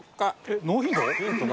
えっノーヒント？